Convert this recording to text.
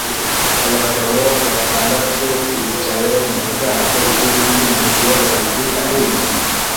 Abagabo batandatu bicaye mu bwato bwibiti mugihe babiri arinyuma